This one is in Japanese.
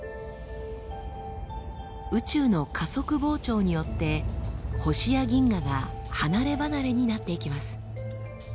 宇宙の加速膨張によって星や銀河が離れ離れになっていきます。